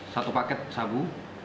satu paket sabu